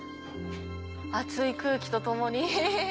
熱い空気とともに。